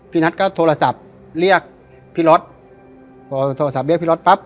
พี่นัทก็โทรศัพท์เรียกพี่ล็อตพอโทรศัพท์เรียกพี่ล็อตปั๊บ